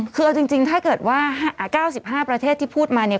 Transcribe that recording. คือเอาจริงถ้าเกิดว่า๙๕ประเทศที่พูดมาเนี่ย